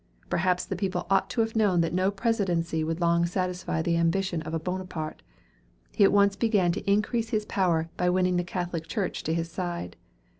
Perhaps the people ought to have known that no presidency would long satisfy the ambition of a Bonaparte. He at once began to increase his power by winning the Catholic Church to his side.